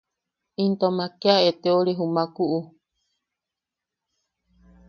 Intomak kea eteori jumakuu.